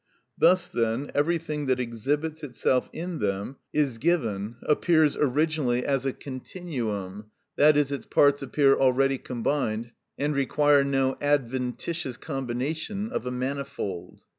Thus, then, everything that exhibits itself in them (is given) appears originally as a continuum, i.e., its parts appear already combined and require no adventitious combination of a manifold.